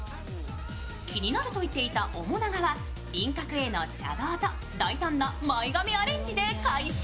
気になるといっていた面長は輪郭へのシャドーと大胆な前髪アレンジで解消。